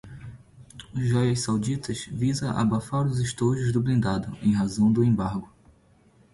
Joias sauditas visa abafar os estojos do blindado em razão do embargo